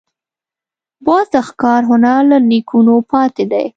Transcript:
باز د ښکار هنر له نیکونو پاتې دی